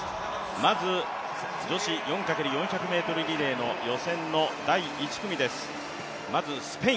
まず女子４×４００ｍリレーの予選の第１組です。